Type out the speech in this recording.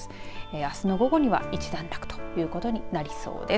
あすの午後には一段落ということになりそうです。